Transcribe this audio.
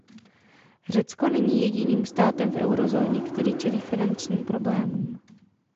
Řecko není jediným státem v eurozóně, který čelí finančním problémům.